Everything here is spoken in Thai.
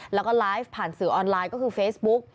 แล้วก็ไลฟ์ผ่านสื่อออนไลน์ก็คือเฟซบุ๊ก